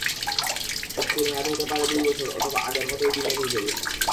চুক্তির মেয়াদ হতে পারে দুই বছর অথবা আগের মতোই দিনের হিসেবে।